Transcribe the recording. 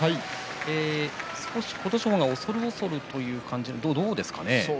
少し琴勝峰が恐る恐るという感じでしたかね。